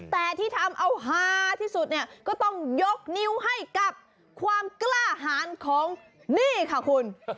แต่ที่ทำเอาฮาที่สุดเนี่ยก็ต้องยกนิ้วให้กับความกล้าหารของนี่ค่ะคุณ